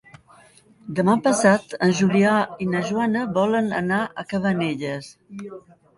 Demà passat en Julià i na Joana volen anar a Cabanelles.